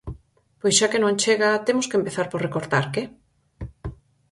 Pois xa que non chega, temos que empezar por recortar, ¿que?